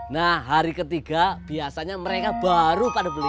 nah hari ketiga biasanya mereka baru pada beli